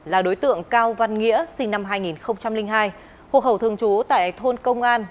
là đối tượng cao văn nghĩa sinh năm hai nghìn hai hồ hậu thường trú tại thôn công an